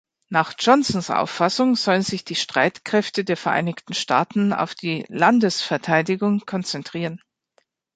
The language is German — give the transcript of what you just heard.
Nach Johnsons Auffassung sollen sich die Streitkräfte der Vereinigten Staaten auf die Landesverteidigung konzentrieren.